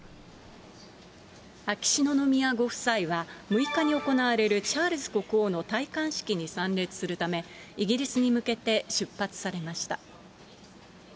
秋篠宮ご夫妻は、６日に行われるチャールズ国王の戴冠式に参列するため、イギリスに向けて出発されました。